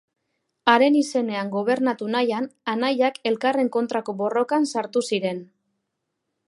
Haren izenean gobernatu nahian, anaiak elkarren kontrako borrokan sartu ziren.